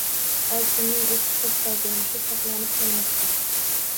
Oltinning eksportdagi ulushi saqlanib qolmoqda